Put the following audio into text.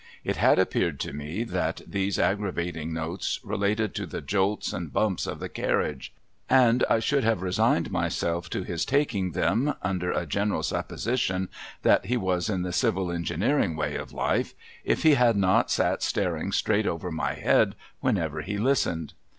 It had appeared to me that these aggravating notes related to the jolts and bumps of the carriage, and 1 should have resigned myself to his taking them, under a general supposition that he was in the civil engineering way of life, if he had not sat staring straight over my head whenever he listened.